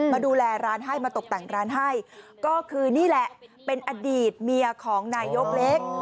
มาดูแลร้านให้มาตกแต่งร้านให้ก็คือนี่แหละเป็นอดีตเมียของนายกเล็ก